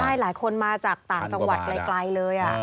ใช่หลายคนมาจากต่างจังหวัดไกลเลย